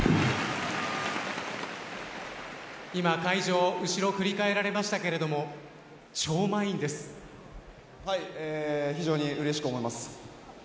今、会場後ろを振り替えられましたが非常にうれしく思います。